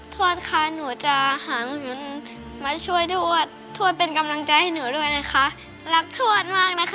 ทวดค่ะหนูจะหาเงินมาช่วยทวดทวดเป็นกำลังใจให้หนูด้วยนะคะรักทวดมากนะคะ